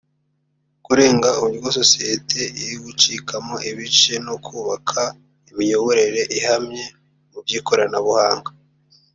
kurenga uburyo sosiyete iri gucikamo ibice no kubaka imiyoborere ihamye mu by’ikoranabuhanga